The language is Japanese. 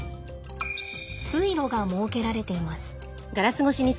水路が設けられています。